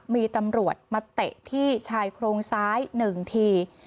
มีตำรวจมาเตะที่ชายโครงซ้าย๑ที